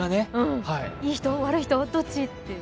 いい人、悪い人、どっちという？